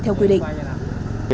theo quy định